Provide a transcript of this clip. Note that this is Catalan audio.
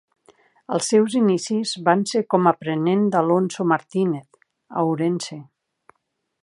Els seus inicis van ser com aprenent d'Alonso Martínez, a Ourense.